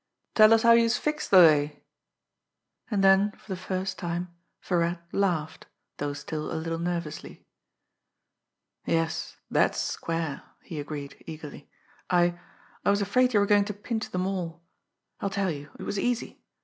Tell us how youse fixed de lay." And then, for the first time, Virat laughed, though still a little nervously. "Yes, that's square," he agreed eagerly. "I I was afraid you were going to pinch them all. I'll tell you. It was easy.